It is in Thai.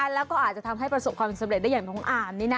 แล้วก็อาจจะทำให้ประสบความสำเร็จได้อย่างน้องอาร์มนี่นะ